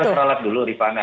saya teralat dulu rifana